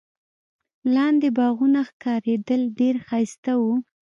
لاندي باغونه ښکارېدل، ډېر ښایسته وو.